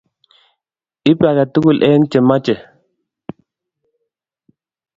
Ip agetugul eng che mache